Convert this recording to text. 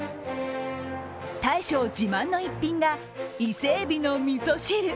大将自慢の逸品が伊勢えびのみそ汁。